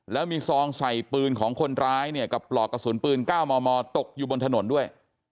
แล้วมีซองใส่ปืนของคนร้ายเนี่ยกับปลอกกระสุนปืน๙มมตกอยู่บนถนนด้วย